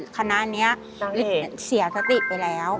คณะนี้เสียสติไปแล้ว